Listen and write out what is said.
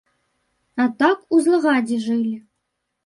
А так у злагадзе жылі.